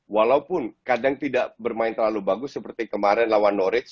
walaupun kadang tidak bermain terlalu bagus seperti kemarin lawan noridge